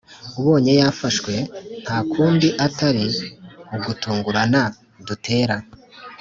ubonye yafashwe ntakundi atari ugutungurana dutera".